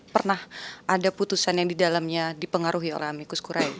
pernah ada putusan yang di dalamnya dipengaruhi oleh amikus kure